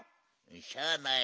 しゃあない。